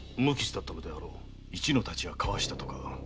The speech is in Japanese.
一の太刀はかわしたとか。